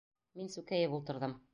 Мин сүкәйеп ултырҙым.